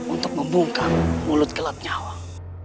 untuk membuka mulut gelapnya awang